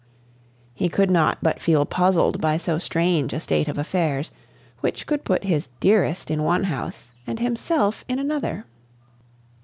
He could not but feel puzzled by so strange a state of affairs, which could put his "Dearest" in one house and himself in another.